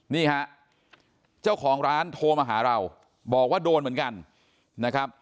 นี่ฮะเจ้าของร้านโทรมาหาเราบอกว่าโดนเหมือนกันนะครับ